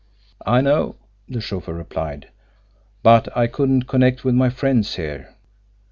"I know," the chauffeur replied; "but I couldn't connect with my friends here.